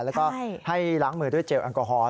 แล้วก็ให้ล้างมือด้วยเจลแอลกอฮอล